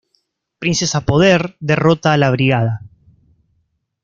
Princesa Poder derrota a la Brigada.